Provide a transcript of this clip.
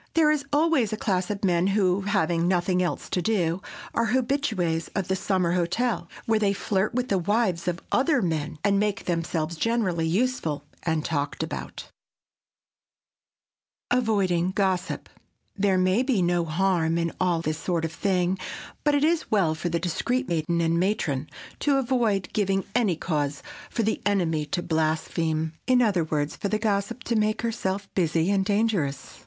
There is always a class of men who, having nothing else to do, are habitués of the summer hotel, where they flirt with the wives of other men and make themselves generally useful and talked about. [Sidenote: AVOIDING GOSSIP] There may be no harm in all this sort of thing, but it is well for the discreet maiden and matron to avoid giving any cause for the enemy to blaspheme,—in other words, for the gossip to make herself busy and dangerous.